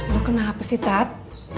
lo kenapa sih tat